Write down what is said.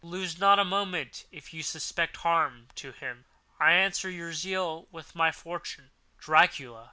Lose not a moment if you suspect harm to him. I answer your zeal with my fortune.—Dracula.